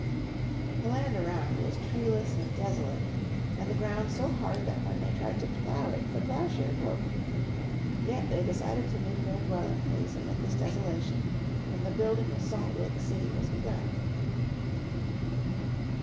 The land around was treeless and desolate, and the ground so hard that when they tried to plough it the ploughshare broke. Yet they decided to make their dwelling place amid this desolation, and in 1847 the building of Salt Lake City was begun.